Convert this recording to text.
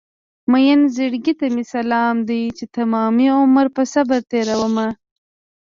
مين زړګي ته مې سلام دی چې تمامي عمر په صبر تېرومه